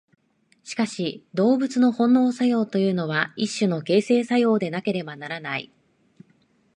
しかし動物の本能作用というのは一種の形成作用でなければならない。